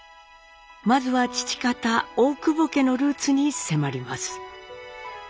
まずは父方大久保家のルーツに迫ります。